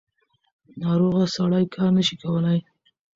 ناروغه سړی کار نشي کولی.